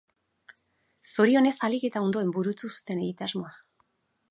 Zorionez, ahalik eta ondoen burutu zuten egitasmoa.